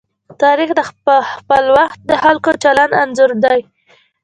تاریخ د خپل وخت د خلکو د چلند انځور دی.